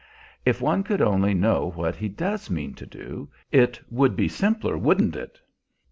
"If one could only know what he does mean to do, it would be simpler, wouldn't it?"